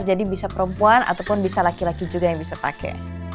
jadi bisa perempuan ataupun bisa laki laki juga yang bisa pake